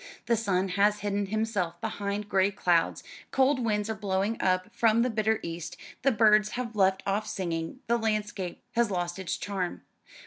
The sun has hidden himself behind gray clouds, cold winds are blowing up from the bitter east, the birds have left off singing, the landscape has lost its charm.